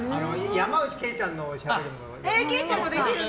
山内惠ちゃんのしゃべりも。